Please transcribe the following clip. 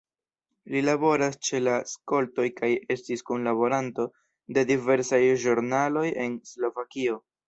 Li laboras ĉe la skoltoj kaj estis kunlaboranto de diversaj ĵurnaloj en Slovakio.